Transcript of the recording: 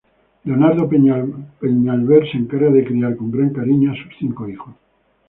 Leonardo Peñalver se encarga de criar con gran cariño a sus cinco hijos.